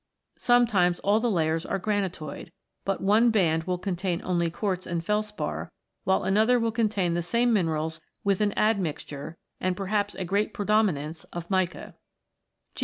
Sometimes all the layers are granitoid, but one band will contain only quartz and felspar, while another will contain the same minerals with an admixture, and perhaps a great predominance, of mica.